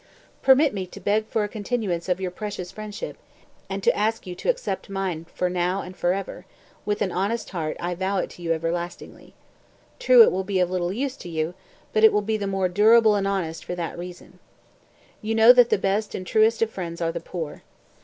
200. "Permit me to beg for a continuance of your precious friendship, and to ask you to accept mine for now and forever; with an honest heart I vow it to you everlastingly. True it will be of little use to you; but it will be the more durable and honest for that reason. You know that the best and truest friends are the poor.